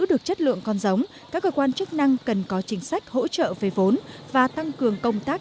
nguồn con giống các cơ quan chức năng cần có chính sách hỗ trợ về vốn và tăng cường công tác